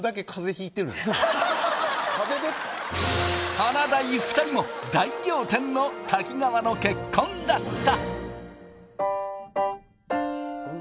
華大２人も大仰天の滝川の結婚だった！